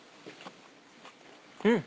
うん！